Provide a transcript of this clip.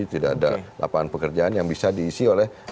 tidak ada lapangan pekerjaan yang bisa diisi oleh